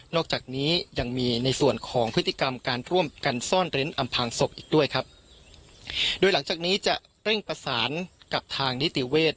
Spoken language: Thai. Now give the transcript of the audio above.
อกจากนี้ยังมีในส่วนของพฤติกรรมการร่วมกันซ่อนเร้นอำพางศพอีกด้วยครับโดยหลังจากนี้จะเร่งประสานกับทางนิติเวศ